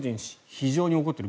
非常に怒っている。